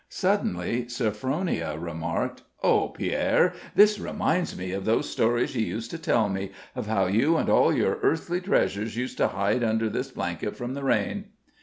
Suddenly Sophronia remarked: "Oh, Pierre! this reminds me of those stories you used to tell me, of how you and all your earthly treasures used to hide under this blanket from the rain!"